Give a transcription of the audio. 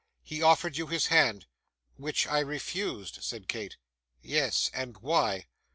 He offered you his hand?' 'Which I refused,' said Kate. 'Yes; and why?